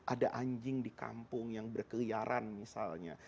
ada anjing di kampung yang berkeliaran misalnya